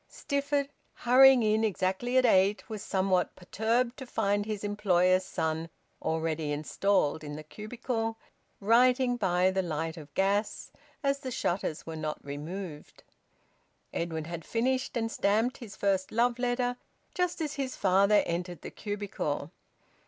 Stifford, hurrying in exactly at eight, was somewhat perturbed to find his employer's son already installed in the cubicle, writing by the light of gas, as the shutters were not removed. Edwin had finished and stamped his first love letter just as his father entered the cubicle.